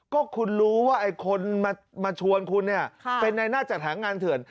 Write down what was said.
ก็คุณรู้ว่าไอ้คนมาชวนคุณเนี่ยเป็นในหน้าจัดหางานเถื่อน